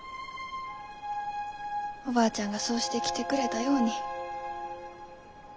おばあちゃんがそうしてきてくれたように。